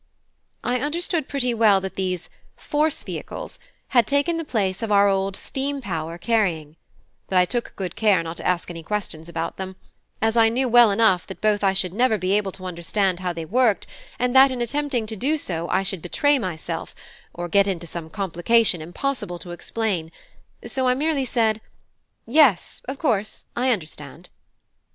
I understood pretty well that these "force vehicles" had taken the place of our old steam power carrying; but I took good care not to ask any questions about them, as I knew well enough both that I should never be able to understand how they were worked, and that in attempting to do so I should betray myself, or get into some complication impossible to explain; so I merely said, "Yes, of course, I understand."